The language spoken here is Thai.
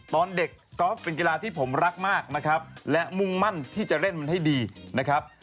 ตอนเด็กกอล์ฟเป็นกีฬาที่ผมรักมากนะครับและมุ่งมั่นที่จะเล่นมันให้ดีนะครับ